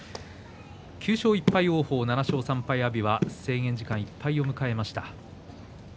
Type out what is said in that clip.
９勝１敗、王鵬７勝３敗、阿炎は制限時間いっぱいを迎えました。